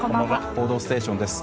「報道ステーション」です。